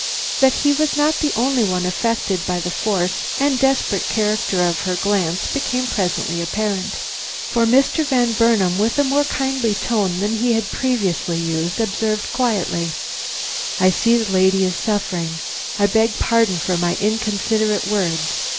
That he was not the only one affected by the force and desperate character of her glance became presently apparent, for Mr. Van Burnam, with a more kindly tone than he had previously used, observed quietly: "I see the lady is suffering. I beg pardon for my inconsiderate words.